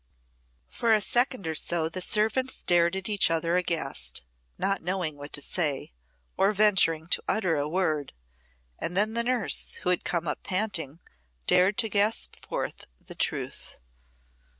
For a second or so the servants stared at each other aghast, not knowing what to say, or venturing to utter a word; and then the nurse, who had come up panting, dared to gasp forth the truth.